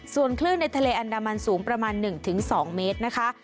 ส่วนคลื่นในทะเลอันดามันสูงประมาณ๑๒เมตรนะคะ